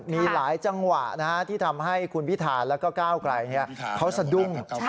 มีหลายจังหวะที่ทำให้คุณพิธาแล้วก็ก้าวไกลเขาสะดุ้ง